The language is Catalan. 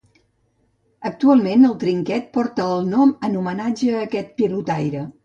Actualment, el trinquet porta el nom en homenatge a aquest pilotaire.